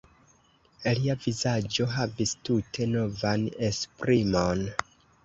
Lia vizaĝo havis tute novan esprimon.